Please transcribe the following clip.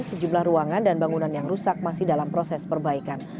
sejumlah ruangan dan bangunan yang rusak masih dalam proses perbaikan